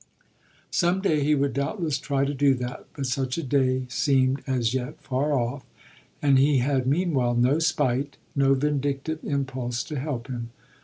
Some day he would doubtless try to do that; but such a day seemed as yet far off, and he had meanwhile no spite, no vindictive impulse, to help him.